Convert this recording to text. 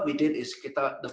jadi apa yang kita lakukan adalah